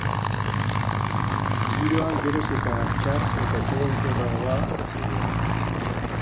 Giroa geroz eta txar eta ezegonkorragoa izango da.